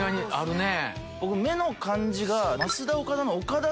目の感じが。